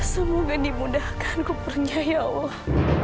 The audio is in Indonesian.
semoga dimudahkan kupernya ya allah